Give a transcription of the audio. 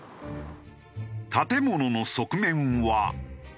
建物の側面は。